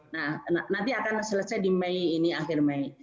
nah nanti akan selesai di mei ini akhir mei